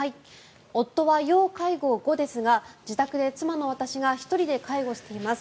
夫は要介護５ですが自宅で妻の私が１人で介護しています。